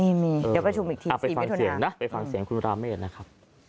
มีเดี๋ยวไปชุมอีกทีสิพี่ทุนาเอาไปฟังเสียงนะ